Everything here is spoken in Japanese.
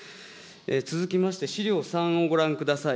続きまして、資料３をご覧ください。